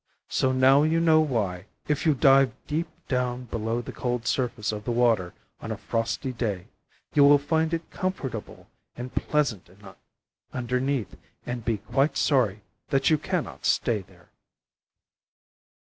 So now you know why, if you dive deep down below the cold surface of the water on a frosty day, you will find it comfortable and pleasant underneath, and be quite sorry that you cannot stay there.